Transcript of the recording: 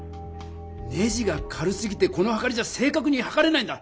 ネジが軽すぎてこのはかりじゃ正かくにはかれないんだ！